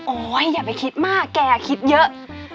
อย่าไปคิดมากแกคิดเยอะ